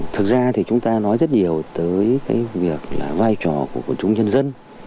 thực ra thì chúng ta nói rất nhiều tới cái việc là vai trò của quân chúng nhân dân